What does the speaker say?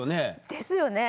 ですよね。